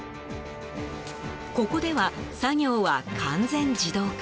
ここでは、作業は完全自動化。